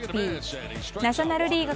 ナショナル・リーグ